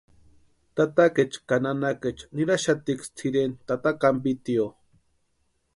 Tateecha ka nanecha niraxatiksï tʼireni tata kampitio.